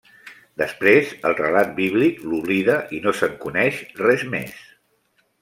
Després, el relat bíblic l'oblida i no se'n coneix res més.